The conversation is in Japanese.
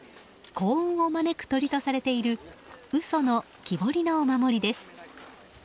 幸運を招く鳥とされているウソの木彫りのお守りです。